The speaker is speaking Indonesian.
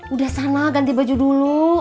udah sana ganti baju dulu